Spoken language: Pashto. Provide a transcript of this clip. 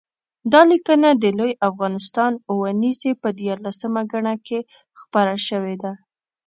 دا لیکنه د لوی افغانستان اوونیزې په یارلسمه ګڼه کې خپره شوې ده